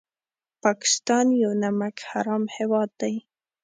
پاکستان یو نمک حرام هېواد دی